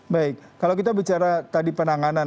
baik kalau kita bicara tadi penanganan